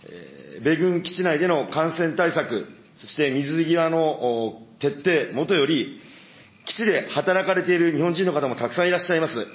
米軍基地内での感染対策、そして水際の徹底もとより、基地で働かれている日本人の方もたくさんいらっしゃいます。